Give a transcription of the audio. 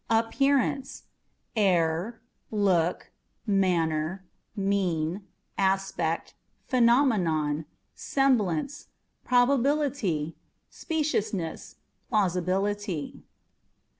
Appearance â€" air, look, manner, mien, aspect, phenomenon, semblance ; probability, speciousness, plausibility.